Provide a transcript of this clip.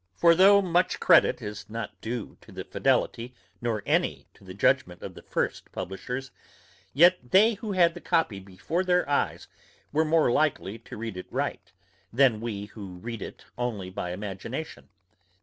For though much credit is not due to the fidelity, nor any to the judgement of the first publishers, yet they who had the copy before their eyes were more likely to read it right, than we who read it only by imagination.